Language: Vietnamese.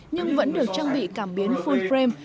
nhưng vẫn được trang bị cảm biến full frame